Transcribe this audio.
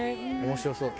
面白そう。